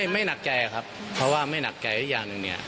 ไม่หนักแก่ครับเพราะว่าไม่หนักแก่อย่างนึงเนี่ย